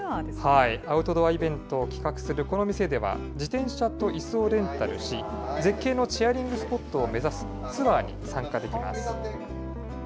アウトドアイベントを企画するこの店では、自転車といすをレンタルし、絶景のチェアリングスポットを目指すツアーに参加できます。